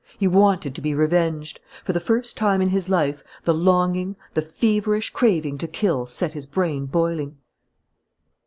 He wanted to be revenged. For the first time in his life, the longing, the feverish craving to kill set his brain boiling.